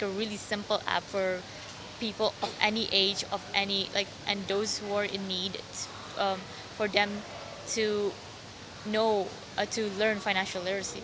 dan mereka yang berusia berusia berusia dan mereka yang berusia berusia untuk mereka untuk mengetahui literasi finansial